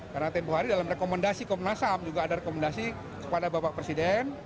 karena tempoh hari dalam rekomendasi komnas ham juga ada rekomendasi kepada bapak presiden